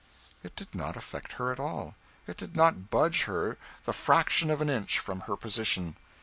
It did not affect her at all; it did not budge her the fraction of an inch from her position.